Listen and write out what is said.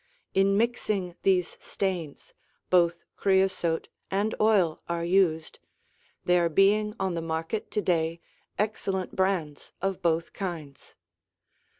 In mixing these stains, both Creosote and oil are used, there being on the market to day excellent brands of both kinds.